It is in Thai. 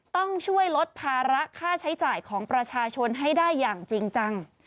ต้องช่วยลดภาระค่าใช้จ่ายของประชาชนให้ได้อย่างจริงจัง